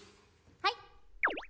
はい。